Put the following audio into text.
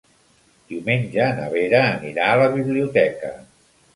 Diumenge na Vera anirà a la biblioteca.